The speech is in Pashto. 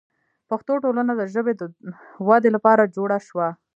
پښتو ټولنه د ژبې د ودې لپاره جوړه شوه.